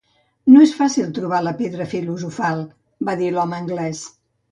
"No és fàcil trobar la pedra filosofal", va dir l'home anglès.